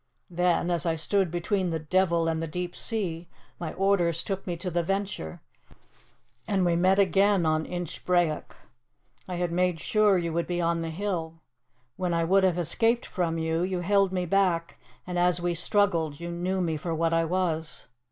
"Then, as I stood between the devil and the deep sea, my orders took me to the Venture, and we met again on Inchbrayock. I had made sure you would be on the hill. When I would have escaped from you, you held me back, and as we struggled you knew me for what I was.